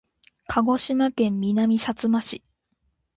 鹿児島県南さつま市